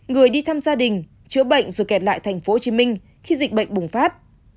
người đi thăm gia đình chữa bệnh rồi kẹt lại tp hcm khi dịch bệnh bùng phát